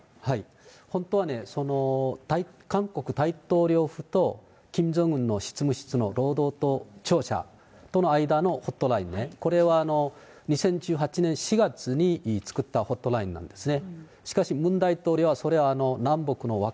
本当はね、その韓国大統領府と、キム・ジョンウンの執務室の労働党庁舎との間のホットラインね、これは２０１８年４月に作ったホットラインなんですね。